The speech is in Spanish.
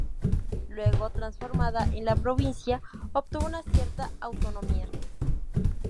Luego, transformada en la provincia, obtuvo una cierta autonomía.